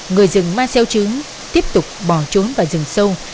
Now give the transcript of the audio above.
người rừng ma xeo chứn tiếp tục bỏ trốn vào rừng sâu